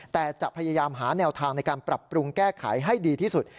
แต่จะพยายามหาแนวทางในการปรับปรุงแก้ไขให้ดีที่สุด